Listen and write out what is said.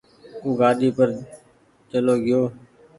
او گآڏي پر چلو گئيو